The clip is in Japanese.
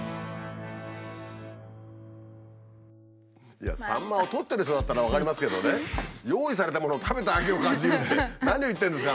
いやサンマをとってる人だったら分かりますけどね用意されたものを食べて「秋を感じる」って何を言ってるんですか？